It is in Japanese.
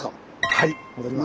はい戻ります。